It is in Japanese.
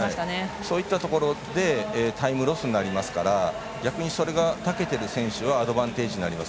そういったところでタイムロスになりますからそれがたけている選手はアドバンテージになります。